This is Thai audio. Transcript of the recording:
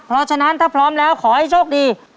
เพราะฉะนั้นถ้าพร้อมแล้วขอให้โชคดี